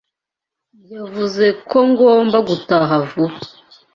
Yavuze ko ngomba gutaha vuba.